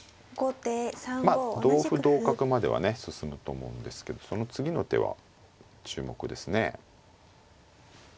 まあ同歩同角まではね進むと思うんですけどその次の手は注目ですね。